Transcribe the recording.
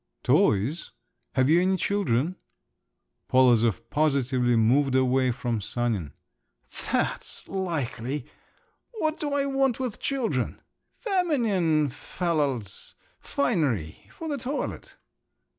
"Toys? have you any children?" Polozov positively moved away from Sanin. "That's likely! What do I want with children? Feminine fallals … finery. For the toilet."